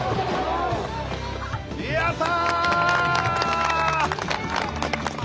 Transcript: やった！